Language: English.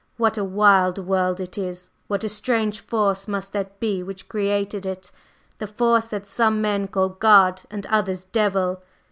What a wild world it is! What a strange Force must that be which created it! the Force that some men call God and others Devil!